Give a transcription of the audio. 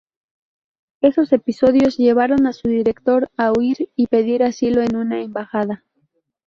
Esos episodios llevaron a su director a huir y pedir asilo en una embajada.